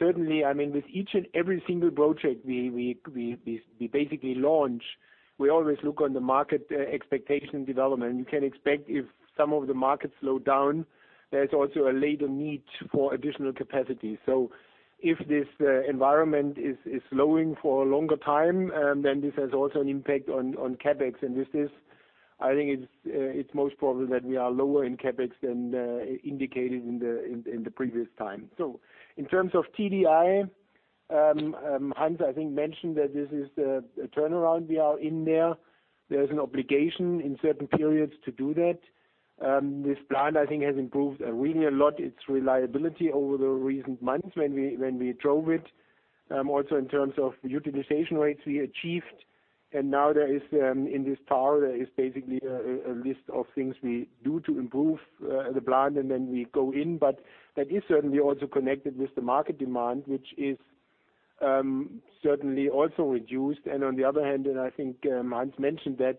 Certainly, with each and every single project we basically launch, we always look on the market expectation development. If some of the markets slow down, there's also a later need for additional capacity. If this environment is slowing for a longer time, this has also an impact on CapEx. This is
I think it's most probable that we are lower in CapEx than indicated in the previous time. In terms of TDI, Hans, I think, mentioned that this is a turnaround we are in there. There's an obligation in certain periods to do that. This plant, I think, has improved really a lot its reliability over the recent months when we drove it, also in terms of utilization rates we achieved. Now there is in this tower, there is basically a list of things we do to improve the plant, and then we go in. That is certainly also connected with the market demand, which is certainly also reduced. On the other hand, and I think Hans mentioned that,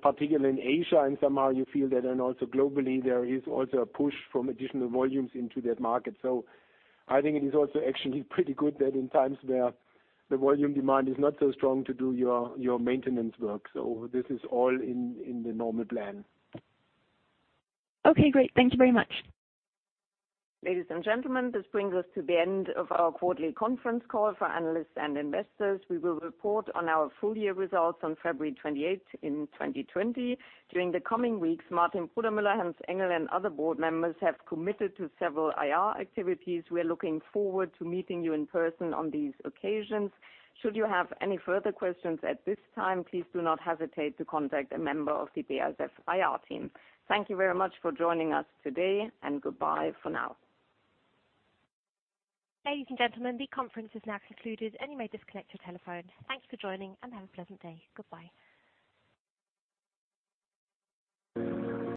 particularly in Asia and somehow you feel that then also globally, there is also a push from additional volumes into that market. I think it is also actually pretty good that in times where the volume demand is not so strong to do your maintenance work. This is all in the normal plan.
Okay, great. Thank you very much.
Ladies and gentlemen, this brings us to the end of our quarterly conference call for analysts and investors. We will report on our full year results on February 28th in 2020. During the coming weeks, Martin Brudermüller, Hans-Ulrich Engel, and other board members have committed to several IR activities. We are looking forward to meeting you in person on these occasions. Should you have any further questions at this time, please do not hesitate to contact a member of the BASF IR team. Thank you very much for joining us today, and goodbye for now.
Ladies and gentlemen, the conference is now concluded, and you may disconnect your telephone. Thanks for joining, and have a pleasant day. Goodbye.